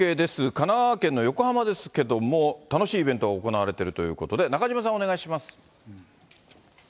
神奈川県の横浜ですけれども、楽しいイベントが行われているということで、中島さん、お願いします。